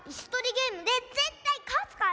ゲームでぜったいかつから！